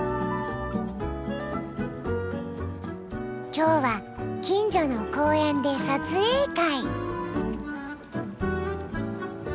今日は近所の公園で撮影会。